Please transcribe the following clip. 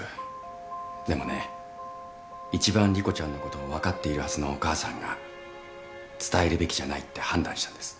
でもね一番莉子ちゃんのことを分かっているはずのお母さんが伝えるべきじゃないって判断したんです。